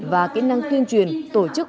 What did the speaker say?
và kỹ năng tuyên truyền tổ chức